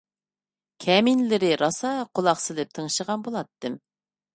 كەمىنىلىرى راسا قۇلاق سېلىپ تىڭشىغان بولاتتىم.